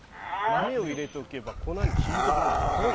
豆を入れておけば粉にひいてくれるんですよ。